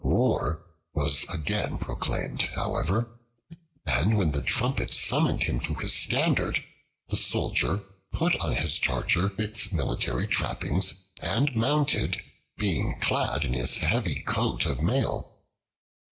War was again proclaimed, however, and when the trumpet summoned him to his standard, the Soldier put on his charger its military trappings, and mounted, being clad in his heavy coat of mail.